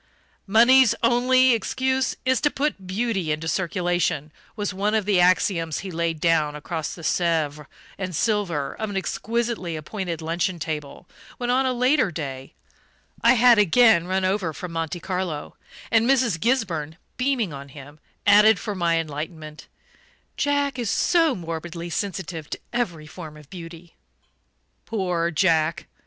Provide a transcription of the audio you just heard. "Money's only excuse is to put beauty into circulation," was one of the axioms he laid down across the Sèvres and silver of an exquisitely appointed luncheon table, when, on a later day, I had again run over from Monte Carlo; and Mrs. Gisburn, beaming on him, added for my enlightenment: "Jack is so morbidly sensitive to every form of beauty." Poor Jack!